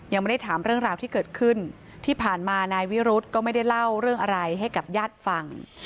ยังไม่ได้ถามเรื่องราวที่เกิดขึ้นที่ผ่านมานายวิรุธก็ไม่ได้เล่าเรื่องอะไรให้กับญาติฟัง